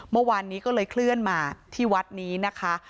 เมื่อวานนี้ก็เลยเคลื่อนมาที่วัดนี้นะคะ